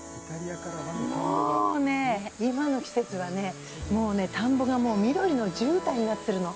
今の季節は田んぼが緑のじゅうたんになってるの。